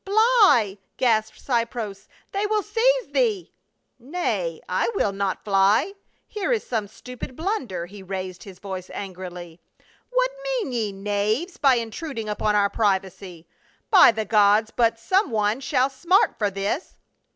" Fly !" gasped Cypros. " They will seize thee !"" Nay, I will not fly ; here is some stupid blunder." He raised his voice angrily. " What mean ye, knaves, by intruding upon our privacy ? By the gods, but some one shall smart for this